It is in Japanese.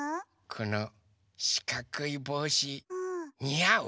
このしかくいぼうしにあう？